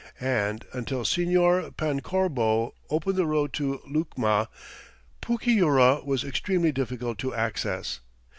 And until Señor Pancorbo opened the road to Lucma, Pucyura was extremely difficult of access.